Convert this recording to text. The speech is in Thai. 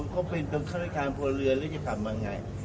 ก็เป็นตรงข้างในการพลเรือแล้วจะผ่านมายังไง